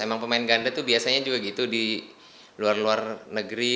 emang pemain ganda tuh biasanya juga gitu di luar luar negeri